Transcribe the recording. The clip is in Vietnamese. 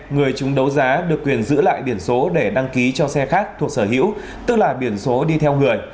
người chúng đấu giá được quyền giữ lại biển số để đăng ký cho xe khác thuộc sở hữu tức là biển số đi theo người